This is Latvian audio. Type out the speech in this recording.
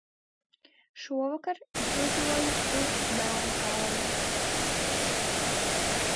Šovasar aizlidoju uz Melnkalni.